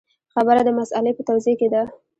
خبره د مسألې په توضیح کې ده.